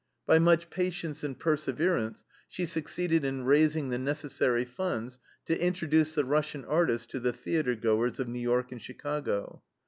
By much patience and perseverance she succeeded in raising the necessary funds to introduce the Russian artists to the theater goers of New York and Chicago.